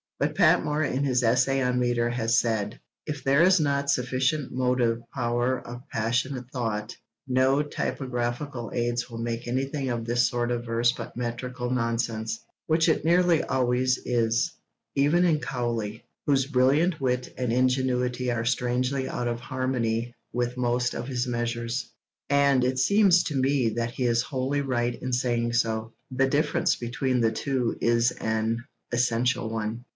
But Patmore, in his essay on metre, has said, If there is not sufficient motive power of passionate thought, no typographical aids will make anything of this sort of verse but metrical nonsense which it nearly always is even in Cowley, whose brilliant wit and ingenuity are strangely out of harmony with most of his measures; and it seems to me that he is wholly right in saying so. The difference between the two is an essential one.